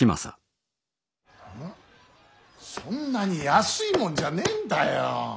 そんなに安いもんじゃねんだよ。